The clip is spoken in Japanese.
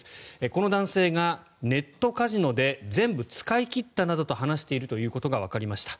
この男性がネットカジノで全部使い切ったなどと話しているということがわかりました。